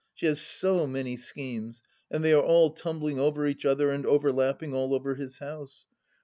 She has so many schemes, and they are all tumbling over each other and overlapping all over his house.